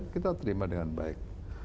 kita terima dengan baik